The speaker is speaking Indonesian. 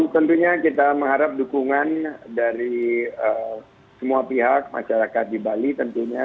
tentunya kita mengharap dukungan dari semua pihak masyarakat di bali tentunya